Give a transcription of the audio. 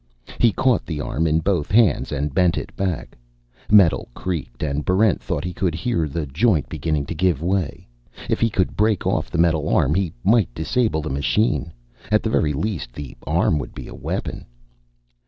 He caught the arm in both hands and bent it back. Metal creaked, and Barrent thought he could hear the joint beginning to give way. If he could break off the metal arm, he might disable the machine; at the very least, the arm would be a weapon....